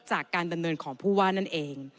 จากการดำเนินของผู้ว่านั่นเอง